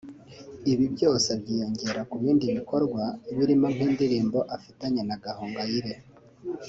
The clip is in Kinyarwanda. Ibyo byose byiyongera ku bindi bikorwa birimo nk’indirimbo afitanye na Gahongayire